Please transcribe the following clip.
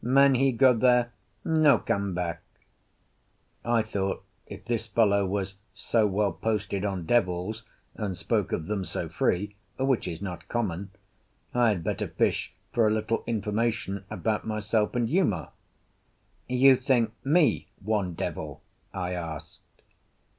Man he go there, no come back." I thought if this fellow was so well posted on devils and spoke of them so free, which is not common, I had better fish for a little information about myself and Uma. "You think me one devil?" I asked.